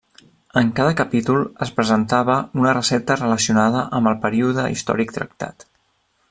En cada capítol es presentava una recepta relacionada amb el període històric tractat.